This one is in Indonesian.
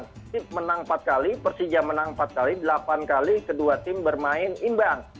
ini menang empat kali persija menang empat kali delapan kali kedua tim bermain imbang